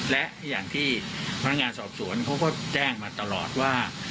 และอย่างที่พนักงานสอบสวนเขาก็แจ้งมาตลอดว่า